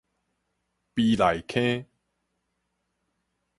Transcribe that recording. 陂內坑